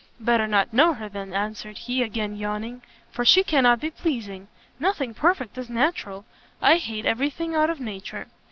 "Better not know her, then," answered he, again yawning, "for she cannot be pleasing. Nothing perfect is natural; I hate every thing out of nature."